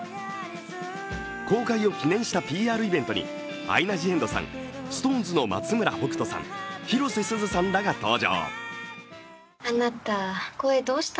公開を記念したＰＲイベントにアイナ・ジ・エンドさん、ＳｉｘＴＯＮＥＳの松村北斗さん、広瀬すずさんらが登場。